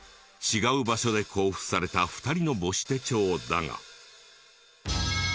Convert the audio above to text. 違う場所で交付された２人の母子手帳だが。